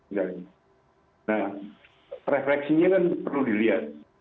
nah refleksinya kan perlu dilihat